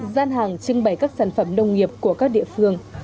gian hàng trưng bày các sản phẩm nông nghiệp của các địa phương